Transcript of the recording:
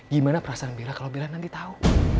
gimana perasaan belah kalau belah nanti tau